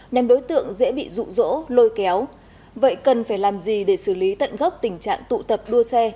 nhằm đối tượng dễ bị rụ rỗ lôi kéo vậy cần phải làm gì để xử lý tận gốc tình trạng tụ tập đua xe